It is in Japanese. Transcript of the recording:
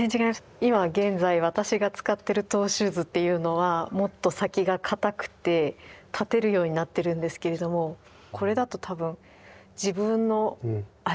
今現在私が使ってるトゥ・シューズっていうのはもっと先がかたくて立てるようになってるんですけれどもこれだと多分自分の足